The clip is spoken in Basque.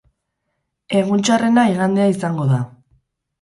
Egun txarrena igandea izango da.